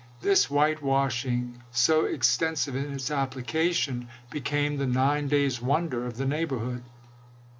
This white washing, so extensive in its application, became the nine days' wonder of the neighborhood.